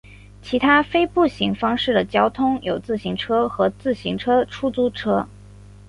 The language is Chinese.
其他非步行方式的交通有自行车和自行车出租车。